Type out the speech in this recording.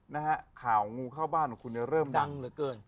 นี่คือคืนที่เข้ามาเยอะนะ